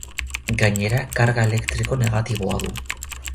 Gainera karga elektriko negatiboa du.